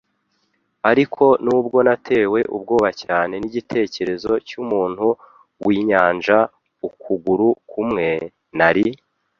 Ariko nubwo natewe ubwoba cyane nigitekerezo cyumuntu winyanja ukuguru kumwe, nari